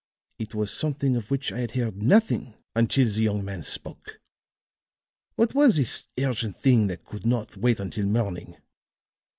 It was something of which I had heard nothing until the young man spoke. What was this urgent thing that could not wait until morning?